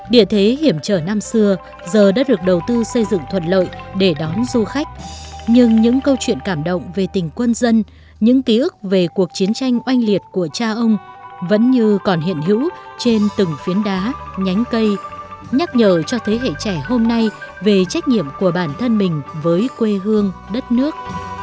địa thế hiểm trở năm xưa giờ đã được đầu tư xây dựng thuận lợi để đón du khách nhưng những câu chuyện cảm động về tình quân dân những ký ức về cuộc chiến tranh oanh liệt của cha ông vẫn như còn hiện hữu trên từng phiến đá nhánh cây nhắc nhở cho thế hệ trẻ hôm nay về trách nhiệm của bản thân mình với quê hương đất nước